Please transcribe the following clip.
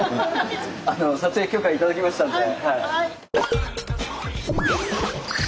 撮影許可頂きましたので。